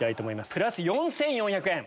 プラス４４００円。